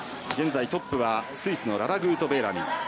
現在トップはスイスのララ・グートベーラミ。